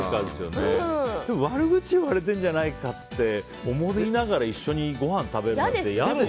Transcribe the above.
でも悪口言われてるんじゃないかって思いながら一緒にごはん食べるのって嫌でしょ。